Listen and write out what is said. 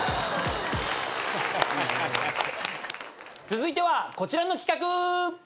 続いてはこちらの企画！